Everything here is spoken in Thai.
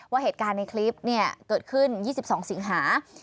ว่าเหตุการณ์ในคลิปเกิดขึ้น๒๒สิงหา